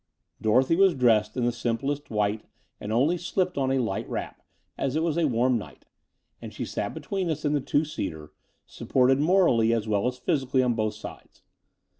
Dorothy was dressed in the simplest white and only slipped on a light wrap, as it was a warm night: and she sat between us in the two seater, supported morally as well as physically on both sides.